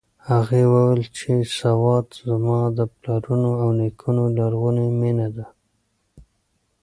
هغې وویل چې سوات زما د پلرونو او نیکونو لرغونې مېنه ده.